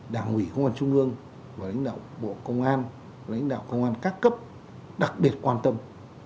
đảng ủy công an trung ương và lãnh đạo bộ công an lãnh đạo công an các cấp đặc biệt quan tâm